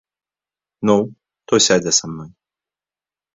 Ну, хто сядзе са мной?